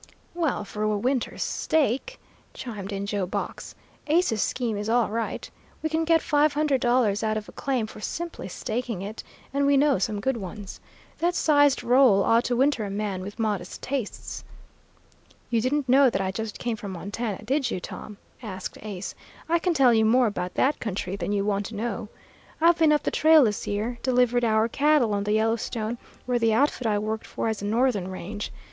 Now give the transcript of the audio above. "Well, for a winter's stake," chimed in Joe Box, "Ace's scheme is all right. We can get five hundred dollars out of a claim for simply staking it, and we know some good ones. That sized roll ought to winter a man with modest tastes." "You didn't know that I just came from Montana, did you, Tom?" asked Ace. "I can tell you more about that country than you want to know. I've been up the trail this year; delivered our cattle on the Yellowstone, where the outfit I worked for has a northern range.